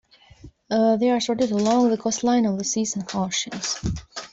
They are sorted along the coastline of the seas and oceans.